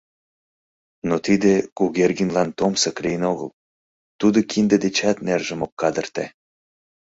Но тиде Кугергинлан томсык лийын огыл — тудо кинде дечат нержым ок кадырте.